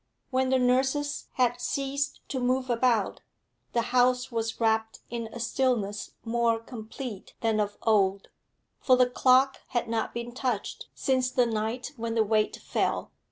When the nurses had ceased to move about, the house was wrapped in a stillness more complete than of old, for the clock had not been touched since the night when the weight fell.